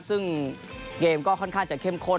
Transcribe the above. ซึ่งเกมก็ค่อนข้างจะเข้มข้น